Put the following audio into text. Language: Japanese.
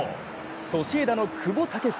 ソシエダの久保建英。